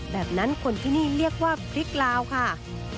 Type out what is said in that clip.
แบบนั้นคนที่นี่เรียกว่าพริกลาวค่ะ